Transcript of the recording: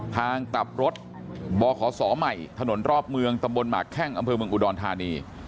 ทางกลับรถบขศใหม่ถนนรอบเมืองตำบลหมากแข้งอำเภอเมืองอุดรธานี